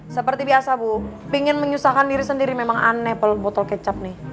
seperti biasa bu pingin menyusahkan diri sendiri memang aneh kalau botol kecap nih